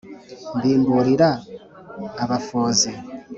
mbimburira abafozi